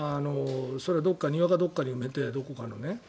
それは庭かどこかに埋めてどこかのね。